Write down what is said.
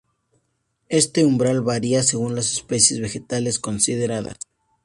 Este umbral varía según las especies vegetales consideradas.